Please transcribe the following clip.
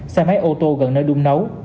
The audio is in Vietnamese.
xe máy ô tô gần nơi đun nấu